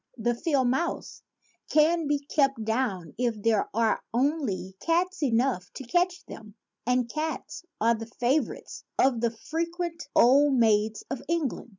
The field mouse can be kept down if there are only cats enough to catch them; and cats are the favor ites of the frequent old maids of England.